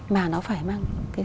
mà nó phải mang